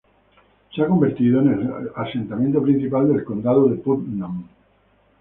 Se ha convertido en el asentamiento principal del Condado Putnam.